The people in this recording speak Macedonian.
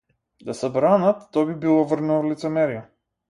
Да се бранат, тоа би било врвно лицемерие.